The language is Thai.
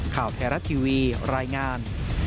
ข่าวแทรฟ์ทีวีรายงาน